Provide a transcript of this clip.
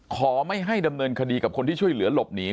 ขอให้ดำเนินคดีกับคนที่ช่วยเหลือหลบหนี